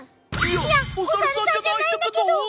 いやおさるさんじゃないんだけど！